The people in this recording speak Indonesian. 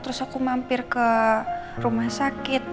terus aku mampir ke rumah sakit